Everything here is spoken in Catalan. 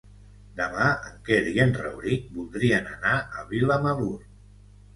Demà en Quer i en Rauric voldrien anar a Vilamalur.